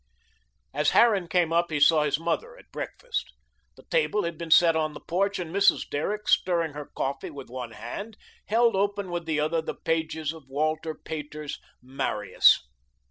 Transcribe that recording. As Harran came up he saw his mother at breakfast. The table had been set on the porch and Mrs. Derrick, stirring her coffee with one hand, held open with the other the pages of Walter Pater's "Marius."